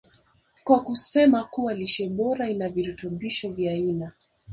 kwa kusema kuwa lishe bora ina virutubisho vya aina